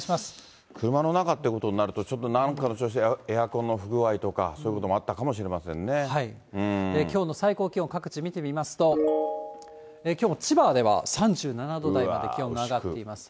車の中ってことになると、ちょっとなんかの調子で、エアコンの不具合とか、そういうこともきょうの最高気温、各地見てみますと、きょうも千葉では３７度台まで気温が上がっています。